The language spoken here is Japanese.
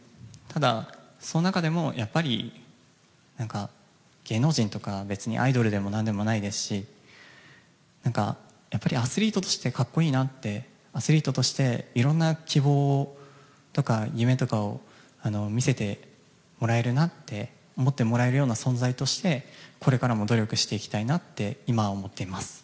ただ、その中でもやっぱり芸能人とか別にアイドルとか何でもないですしアスリートとして格好いいなってアスリートとしていろんな希望とか夢とかを見せてもらえるなって思ってもらえるような存在として、これからも努力していきたいなって今は思っています。